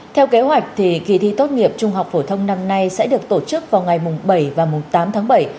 theo kế hoạch kỳ thi tốt nghiệp trung học phổ thông năm nay sẽ được tổ chức vào ngày bảy và tám tháng bảy